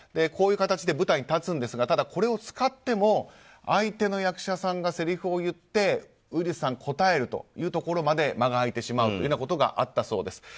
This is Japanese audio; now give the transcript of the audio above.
こういう形で舞台に立つんですがただ、これを使っても相手の役者さんが台詞を言ってウィリスさんが答えるところまで間が空いてしまうことがあったそうです。